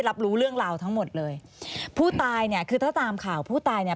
รับรู้เรื่องราวทั้งหมดเลยผู้ตายเนี่ยคือถ้าตามข่าวผู้ตายเนี่ย